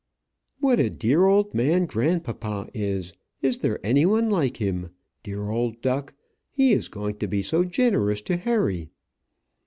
"What a dear old man grandpapa is! Is there any one like him? Dear old duck! He is going to be so generous to Harry."